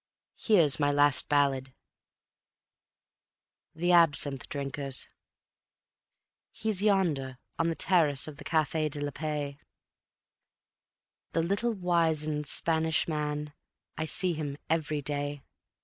Here's my last ballad: The Absinthe Drinkers He's yonder, on the terrace of the Cafe de la Paix, The little wizened Spanish man, I see him every day.